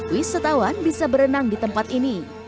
wisatawan bisa berenang di tempat ini